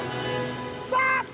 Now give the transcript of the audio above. スタート！